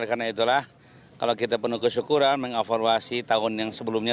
karena itulah kalau kita penuh kesyukuran mengaferuasi tahun yang sebelumnya